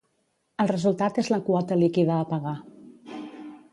El resultat és la quota líquida a pagar.